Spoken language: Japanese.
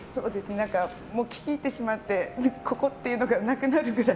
聞き入ってしまってここっていうのがなくなるぐらい。